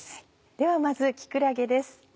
ではまず木くらげです。